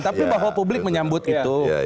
tapi bahwa publik menyambut itu